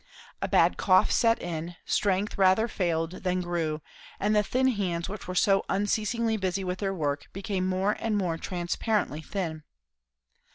A bad cough set in; strength rather failed than grew; and the thin hands which were so unceasingly busy with their work, became more and more transparently thin.